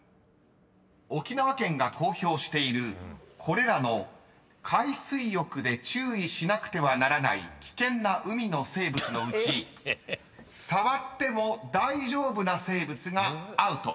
［沖縄県が公表しているこれらの海水浴で注意しなくてはならない危険な海の生物のうち触っても大丈夫な生物がアウト］